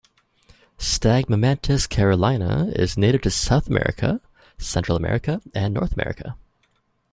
"Stagmomantis carolina" is native to South America, Central America and North America.